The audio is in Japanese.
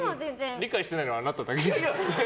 理解してないのはあなただけですよ。